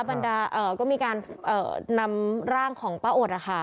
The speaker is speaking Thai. บรรดาก็มีการนำร่างของป้าอดนะคะ